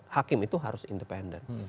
hakim itu harus independen